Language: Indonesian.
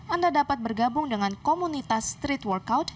anda dapat bergabung dengan komunitas street workout